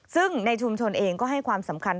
ซึ่งในชุมชนเองก็ให้ความสำคัญ